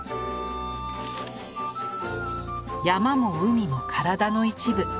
山や海も体の一部。